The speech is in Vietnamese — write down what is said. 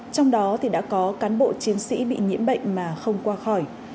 trong đó đã có cán bộ chiến sĩ bị nhiễm bệnh mà không qua khỏi